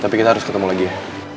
tapi kita harus ketemu lagi ya